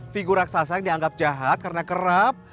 figur raksasa yang dianggap jahat karena kerap